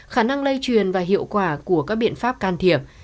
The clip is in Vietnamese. khả năng lây truyền và hiệu quả của các biện pháp can thiệp